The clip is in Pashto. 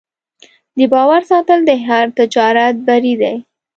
د باور ساتل د هر تجارت بری دی.